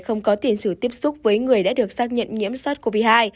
không có tiền sử tiếp xúc với người đã được xác nhận nhiễm sars cov hai